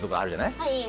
はい。